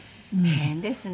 変ですね。